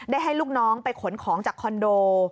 ให้ลูกน้องไปขนของจากคอนโด